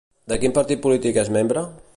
De quin partit polític és membre?